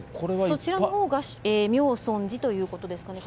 そちらのほうがみょうそん寺ということですかね。